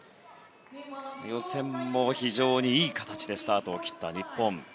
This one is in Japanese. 予選も非常にいい形でスタートを切った日本。